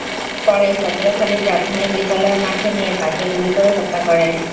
পরে ভদ্রখালী প্রাথমিক বিদ্যালয়ের মাঠে নিয়ে তাঁকে গুলি করে হত্যা করে।